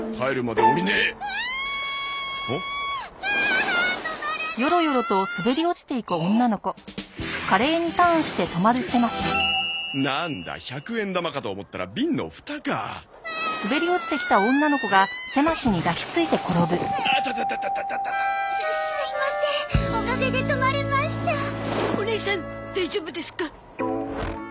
おねいさん大丈夫ですか？